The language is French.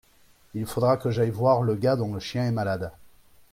Il faudra que j'aille voir le gars dont le chien est malade.